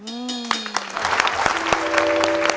อืม